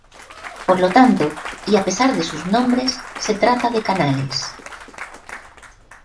Por lo tanto y a pesar de sus nombres, se trata de canales.